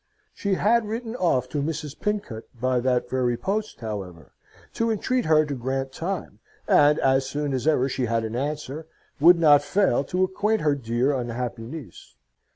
She had written off to Mrs. Pincott, by that very post, however, to entreat her to grant time, and as soon as ever she had an answer, would not fail to acquaint her dear unhappy niece.